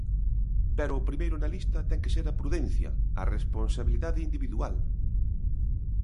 Pero o primeiro na lista ten que ser a prudencia, a responsabilidade individual.